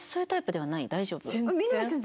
みな実さん